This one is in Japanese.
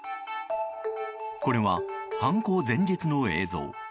これは犯行前日の映像。